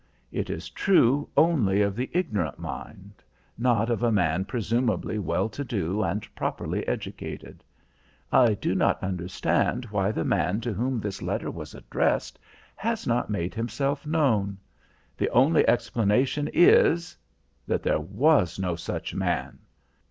It is true only of the ignorant mind, not of a man presumably well to do and properly educated. I do not understand why the man to whom this letter was addressed has not made himself known. The only explanation is that there was no such man!"